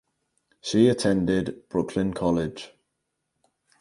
She attended Brooklyn College.